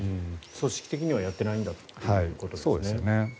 組織的にはやってないんだということですよね。